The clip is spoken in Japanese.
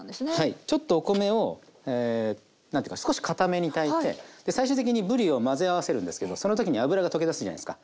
ちょっとお米を何ていうか少しかために炊いて最終的にぶりを混ぜ合わせるんですけどその時に脂が溶け出すじゃないですか。